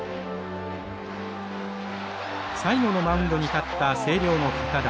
最後のマウンドに立った星稜の堅田。